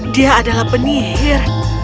dia adalah penyihir